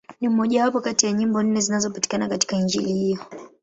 Ni mmojawapo kati ya nyimbo nne zinazopatikana katika Injili hiyo.